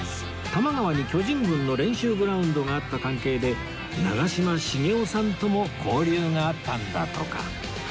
多摩川に巨人軍の練習グラウンドがあった関係で長嶋茂雄さんとも交流があったんだとか